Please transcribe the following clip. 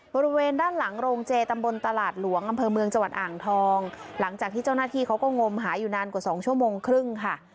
บริเวณด้านหลังโรงเจตำบลตลาดหลวงอำเภอเมืองจังหวัดอ่างทองหลังจากที่เจ้าหน้าที่เขาก็งมหาอยู่นานกว่าสองชั่วโมงครึ่งค่ะ